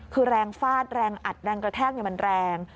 คือแรงฟาดแรงอัดแรงกระแทกมันแรง